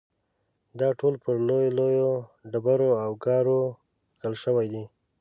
دا ټول پر لویو لویو ډبرو او ګارو کښل شوي دي.